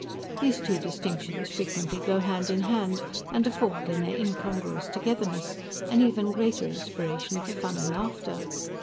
These two distinctions frequently go hand in hand, and afford, in their incongruous togetherness, an even greater inspiration for fun and laughter.